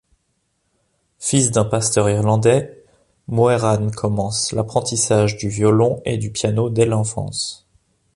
Fils d'un pasteur irlandais, Moeran commence l'apprentissage du violon et du piano dès l'enfance.